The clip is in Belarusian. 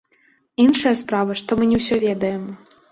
Іншая справа, што мы не ўсё ведаем.